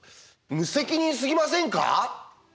無責任すぎませんか？